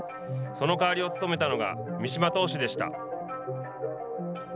その代わりを務めたのが三嶋投手でした。